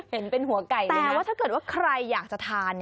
เห็นเป็นหัวไก่เลยนะว่าถ้าเกิดว่าใครอยากจะทาน